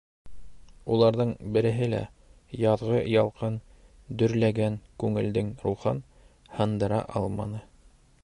Уларҙың береһе лә яҙғы ялҡын дөрләгән күңелдең рухын һындыра алманы.